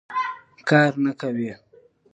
کار نه کوي.